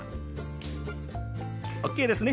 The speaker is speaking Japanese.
ＯＫですね。